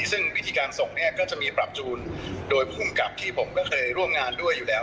ซึ่งวิธีการส่งเนี่ยก็จะมีปรับจูนโดยภูมิกับที่ผมก็เคยร่วมงานด้วยอยู่แล้ว